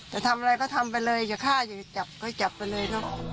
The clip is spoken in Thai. จะทำอะไรก็ทำไปเลยจะฆ่าอย่างนี้ก็จับไปเลย